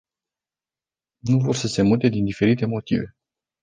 Nu vor să se mute din diferite motive.